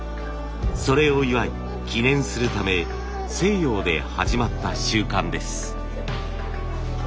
それを祝い記念するため西洋で始まった習慣です。